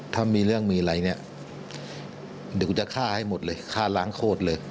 ถ้ามีเรื่องมีอะไรเนี่ยเดี๋ยวกูจะฆ่าให้หมดเลยฆ่าล้างโคตรเลย